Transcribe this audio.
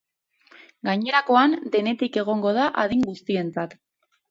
Gainerakoan, denetik egongo da adin guztientzat.